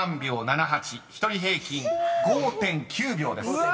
［１人平均５．９秒です］